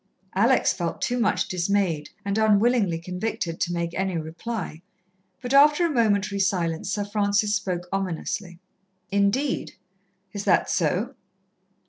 Alex felt too much dismayed and unwillingly convicted to make any reply, but after a momentary silence Sir Francis spoke ominously. "Indeed! is that so?"